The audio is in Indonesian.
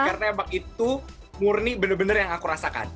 karena itu murni bener bener yang aku rasakan